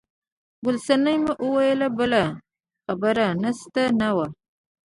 ګل صنمه وویل بله خبره شته نه وه.